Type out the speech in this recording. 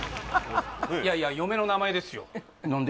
いやいや嫁の名前ですよ何で？